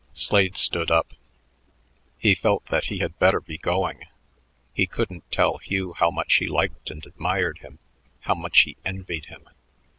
Slade stood up. He felt that he had better be going. He couldn't tell Hugh how much he liked and admired him, how much he envied him.